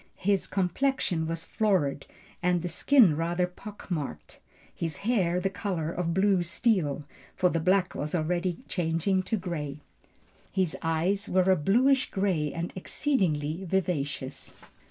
His complexion was florid, the skin rather pock marked, his hair the color of blue steel, for the black was already changing to grey. His eyes were a bluish grey and exceedingly vivacious.